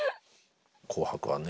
「紅白」はね